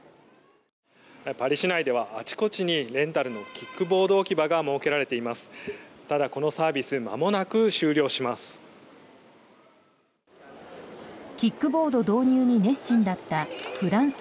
パリ市内では、あちこちにレンタルのキックボード置き場が設けられています。